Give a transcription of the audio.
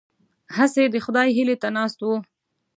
هسې د خدای هیلې ته ناست وو.